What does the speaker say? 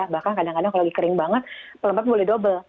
bahkan kadang kadang kalau lagi kering banget pelembat boleh double